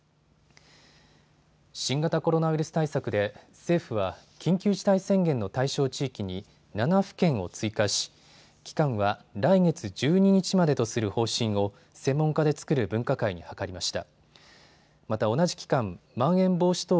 新型コロナウイルス対策で政府は緊急事態宣言の対象地域に７府県を追加し、期間は来月１２日までとする方針を専門家で作る分科会に諮りました。